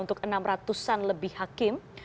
untuk enam ratusan lebih hakim